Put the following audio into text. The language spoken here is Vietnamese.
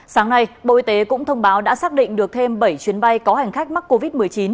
sáng nay bộ y tế cũng thông báo đã xác định được thêm bảy chuyến bay có hành khách mắc covid một mươi chín